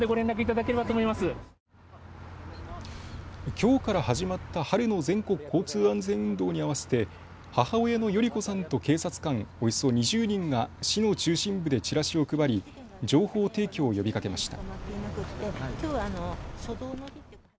きょうから始まった春の全国交通安全運動に合わせて母親の代里子さんと警察官およそ２０人が市の中心部でちらしを配り情報提供を呼びかけました。